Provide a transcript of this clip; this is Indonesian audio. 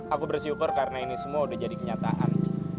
aku bersyukur karena ini semua udah jadi kenyataan